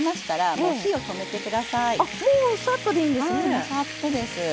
もうサッとです。